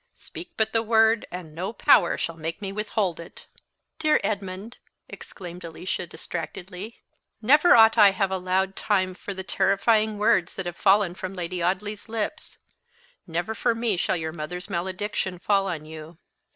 Speak but the word, and no power shall make me withhold it!" "Dear Edmund!" exclaimed Alicia, distractedly, "never ought I to have allowed time for the terrifying words that have fallen from Lady Audley's lips; never for me shall your mother's malediction fall on you.